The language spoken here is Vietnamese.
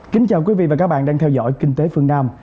kính chào quý vị và các bạn đang theo dõi kinh tế phương nam